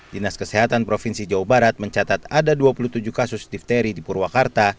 dinas kesehatan provinsi jawa barat mencatat ada dua puluh tujuh kasus difteri di purwakarta